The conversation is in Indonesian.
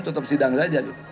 tetap sidang saja